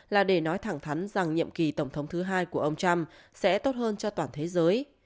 là để nói thẳng thắn rằng nhiệm kỳ tổng thống thứ hai của ông trump sẽ tốt hơn cho toàn thế giới